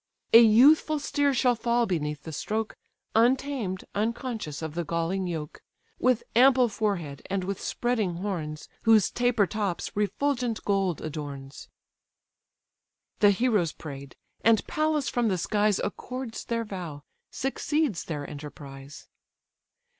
A youthful steer shall fall beneath the stroke, Untamed, unconscious of the galling yoke, With ample forehead, and with spreading horns, Whose taper tops refulgent gold adorns." The heroes pray'd, and Pallas from the skies Accords their vow, succeeds their enterprise.